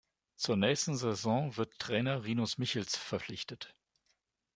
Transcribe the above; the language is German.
Zur nächsten Saison wurde Trainer Rinus Michels verpflichtet.